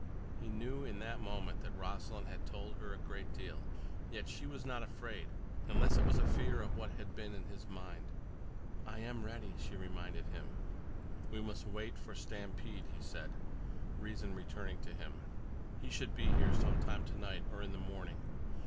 He knew, in that moment, that Rossland had told her a great deal. Yet she was not afraid, unless it was fear of what had been in his mind. "I am ready," she reminded him. "We must wait for Stampede," he said, reason returning to him. "He should be here sometime tonight, or in the morning.